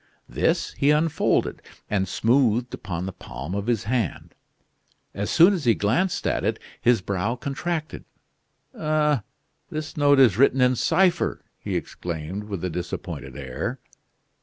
This he unfolded, and smoothed upon the palm of his hand. As soon as he glanced at it, his brow contracted. "Ah! this note is written in cipher," he exclaimed, with a disappointed air.